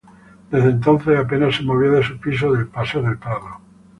Desde entonces apenas se movió de su piso del Paseo del Prado.